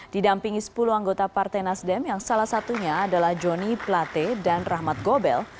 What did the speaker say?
didampingi sepuluh anggota partai nasdem yang salah satunya adalah joni plate dan rahmat gobel